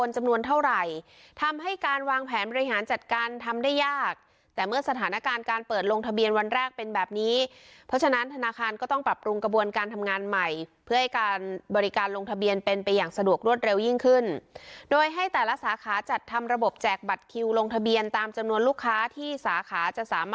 จำนวนเท่าไหร่ทำให้การวางแผนบริหารจัดการทำได้ยากแต่เมื่อสถานการณ์การเปิดลงทะเบียนวันแรกเป็นแบบนี้เพราะฉะนั้นธนาคารก็ต้องปรับปรุงกระบวนการทำงานใหม่เพื่อให้การบริการลงทะเบียนเป็นไปอย่างสะดวกรวดเร็วยิ่งขึ้นโดยให้แต่ละสาขาจัดทำระบบแจกบัตรคิวลงทะเบียนตามจำนวนลูกค้าที่สาขาจะสามารถ